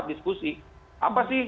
untuk diskusi apa sih